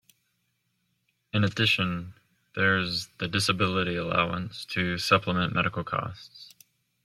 In addition, there is the Disability Allowance, to supplement medical costs.